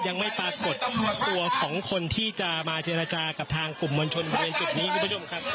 ยังไม่ปรากฏตัวของคนที่จะมาเจรจากับทางกลุ่มมวลชนบริเวณจุดนี้คุณผู้ชมครับ